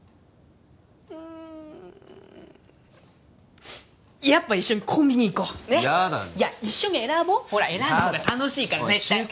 うんやっぱ一緒にコンビニ行こうねっ嫌だねいや一緒に選ぼうほら選んだほうが楽しいから絶対嫌だおい